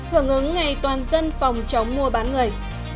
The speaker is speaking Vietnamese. hưởng ứng ngày toàn dân phòng chống mua bán người